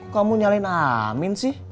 kamu nyalain amin sih